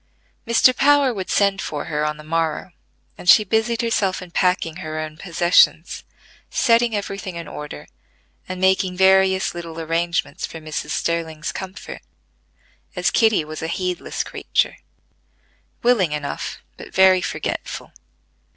Mr. Power would send for her on the morrow, and she busied herself in packing her own possessions, setting every thing in order, and making various little arrangements for Mrs. Sterling's comfort, as Kitty was a heedless creature; willing enough, but very forgetful.